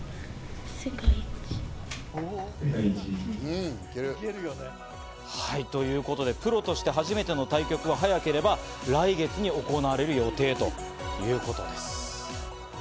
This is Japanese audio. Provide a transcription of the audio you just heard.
うん、行ける。ということでプロとして初めての対局は早ければ来月に行われる予定ということです。